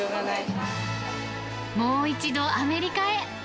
もう一度、アメリカへ。